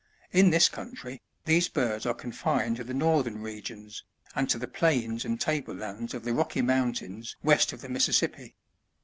In this country, these birds are confined to the northern regions, and to the planes and table lands of the Rocky Mountains west of the Mississippi.